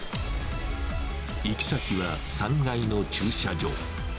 行き先は３階の駐車場。